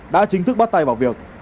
đã chính thức bắt tay vào việc